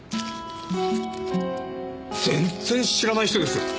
全然知らない人ですよ！